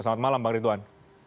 selamat malam bang ridwan